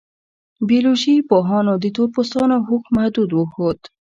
بیولوژي پوهانو د تور پوستانو هوښ محدود وښود.